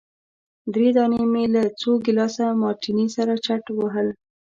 درې دانې مي له څو ګیلاسه مارټیني سره چټ وهل.